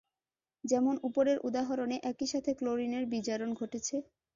যেমন উপরের উদাহরণে একইসাথে ক্লোরিনের বিজারণ ঘটেছে।